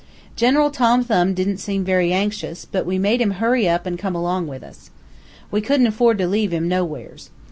General Tom Thumb didn't seem very anxious, but we made him hurry up an' come along with us. We couldn't afford to leave him nowheres.